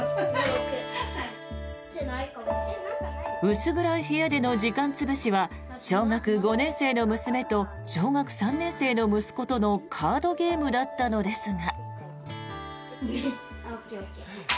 薄暗い部屋での時間潰しは小学５年生の娘と小学３年生の息子とのカードゲームだったのですが。